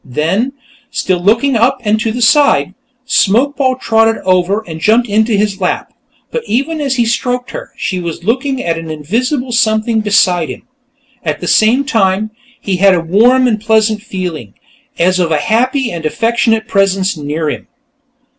Then, still looking up and to the side, Smokeball trotted over and jumped onto his lap, but even as he stroked her, she was looking at an invisible something beside him. At the same time, he had a warm and pleasant feeling, as of a happy and affectionate presence near him.